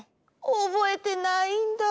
おぼえてないんだ。